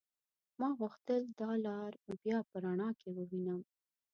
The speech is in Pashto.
ما غوښتل دا لار بيا په رڼا کې ووينم.